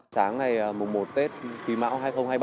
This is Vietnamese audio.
sáng ngày mùa một tết kỳ mạo hai nghìn hai mươi ba